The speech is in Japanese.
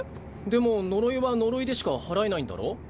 でも呪いは呪いでしか祓えないんだろ？